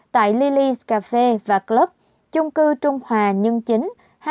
tại lily s cafe club chung cư trung hòa nhân chính